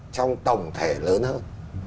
trong tổng thể lớn hơn